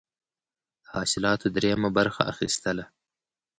د حاصلاتو دریمه برخه اخیستله.